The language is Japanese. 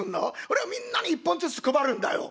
「それをみんなに１本ずつ配るんだよ」。